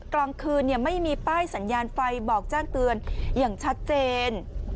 กลางคืนไม่มีป้ายสัญญาณไฟบอกแจ้งเตือนอย่างชัดเจน